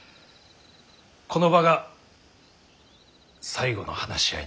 この場が最後の話し合いになるかと。